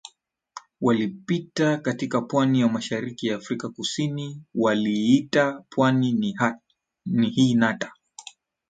Walipita katika pwani ya mashariki ya Afrika Kusini waliiita pwani hii Nata